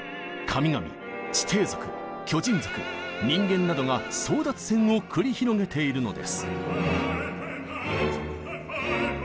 神々地底族巨人族人間などが争奪戦を繰り広げているのです。